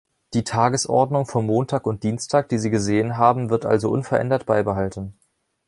Die Tagesordnung vom Montag und Dienstag, die Sie gesehen haben, wird also unverändert beibehalten.